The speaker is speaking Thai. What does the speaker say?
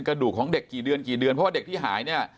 กระดูกของเด็กกี่เดือนกี่เดือนเพราะว่าเด็กที่หายเนี่ย